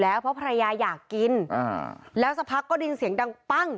แล้วก็ได้คุยกับนายวิรพันธ์สามีของผู้ตายที่ว่าโดนกระสุนเฉียวริมฝีปากไปนะคะ